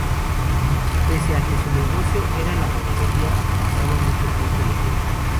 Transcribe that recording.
Pese a que su negocio era la ganadería, pasaba mucho tiempo leyendo.